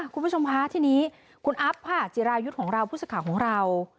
คุณผู้ชมคะทีนี้คุณอัพค่ะจิรายุทธ์ของเราผู้สื่อข่าวของเรา